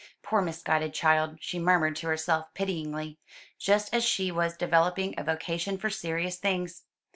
"Poor misguided child!" she murmured to herself pityingly; "just as she was developing a vocation for serious things!